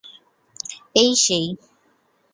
এই, সেই!